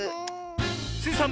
スイさん